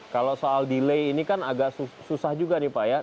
kalau soal delay ini kan agak susah juga nih pak ya